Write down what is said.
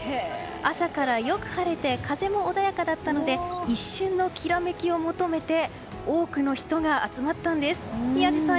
朝からよく晴れて風も穏やかだったので一瞬のきらめきを求めて多くの人が集まったんです。